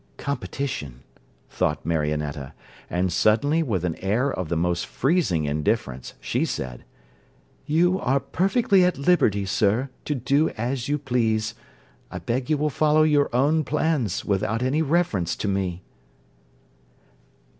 'Competition!' thought Marionetta, and suddenly, with an air of the most freezing indifference, she said, 'You are perfectly at liberty, sir, to do as you please; I beg you will follow your own plans, without any reference to me.'